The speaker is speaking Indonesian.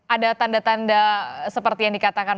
ada tanda tanda seperti yang dikatakan